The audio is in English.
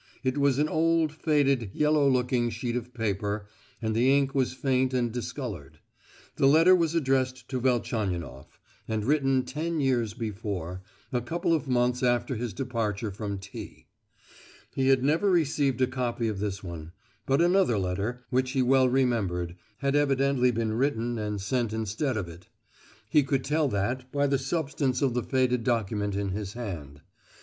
It was an old, faded, yellow looking sheet of paper, and the ink was faint and discoloured; the letter was addressed to Velchaninoff, and written ten years before—a couple of months after his departure from T——. He had never received a copy of this one, but another letter, which he well remembered, had evidently been written and sent instead of it; he could tell that by the substance of the faded document in his hand.